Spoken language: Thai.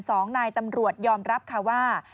สองนายตำรวจยอมรับค่ะว่า